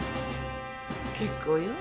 結構よ。